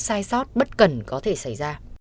sai sót bất cần có thể xảy ra